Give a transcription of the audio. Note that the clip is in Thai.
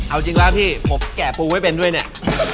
เอาจริงว่าพี่ขอแกะปลูให้เป็นด้วยนี่